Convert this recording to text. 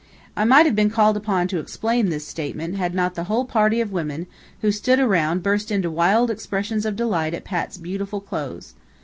I might have been called upon to explain this statement, had not the whole party of women, who stood around burst into wild expressions of delight at Pat's beautiful clothes.